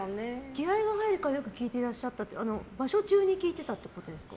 気合が入るからよく聴いていらっしゃったって場所中に聴いてたってことですか？